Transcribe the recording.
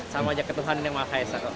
sama aja ke tuhan yang maha esa